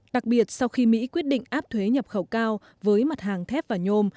đặc biệt sau khi mỹ quyết định áp thuế nhập khẩu cao với mặt hàng thép và nhôm